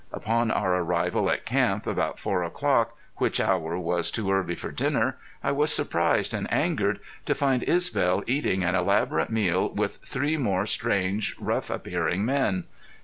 Upon our arrival at camp, about four o'clock, which hour was too early for dinner, I was surprised and angered to find Isbel eating an elaborate meal with three more strange, rough appearing men.